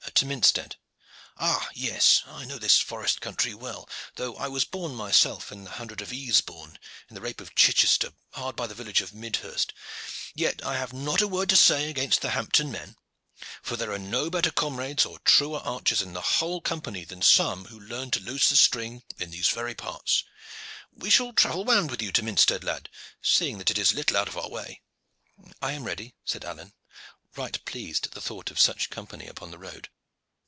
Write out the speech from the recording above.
"To Minstead." "Ah, yes. I know this forest country well, though I was born myself in the Hundred of Easebourne, in the Rape of Chichester, hard by the village of Midhurst. Yet I have not a word to say against the Hampton men, for there are no better comrades or truer archers in the whole Company than some who learned to loose the string in these very parts. We shall travel round with you to Minstead lad, seeing that it is little out of our way." "I am ready," said Alleyne, right pleased at the thought of such company upon the road.